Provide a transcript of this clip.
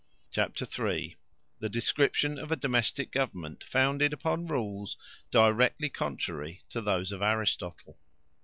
Chapter iii. The description of a domestic government founded upon rules directly contrary to those of Aristotle.